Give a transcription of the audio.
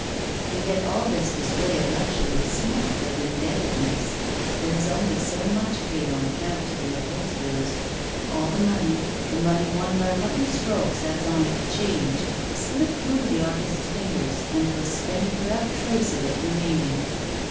And yet all this display of luxury smacked of indebtedness, there was only so much paid on account to the upholsterers; all the money the money won by lucky strokes as on 'Change slipped through the artist's fingers, and was spent without trace of it remaining.